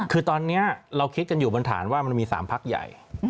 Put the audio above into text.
คือตอนนี้เราคิดกันอยู่บนฐานว่ามันมี๓พักใหญ่